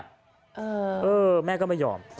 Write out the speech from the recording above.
เออแม่ก็ไม่ยอม